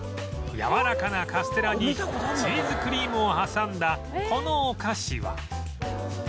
やわらかなカステラにチーズクリームを挟んだこのお菓子は